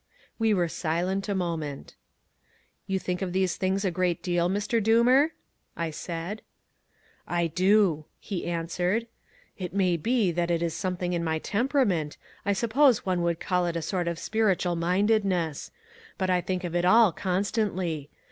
We were silent a moment. "You think of these things a great deal, Mr. Doomer?" I said. "I do," he answered. "It may be that it is something in my temperament, I suppose one would call it a sort of spiritual mindedness. But I think of it all constantly.